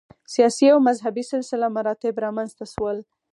سیاسي او مذهبي سلسله مراتب رامنځته شول